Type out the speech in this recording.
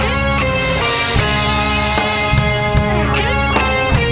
ยังเพราะความสำคัญ